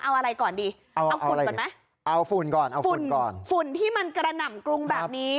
เอาอะไรก่อนดีเอาฝุ่นก่อนไหมเอาฝุ่นก่อนเอาฝุ่นก่อนฝุ่นที่มันกระหน่ำกรุงแบบนี้